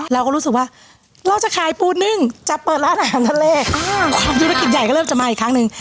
เราก็รู้สึกว่าเราจะขายปูนึ่งจะเปิดร้านอาหารทะเลความธุรกิจใหญ่ก็เริ่มจะมาอีกครั้งหนึ่ง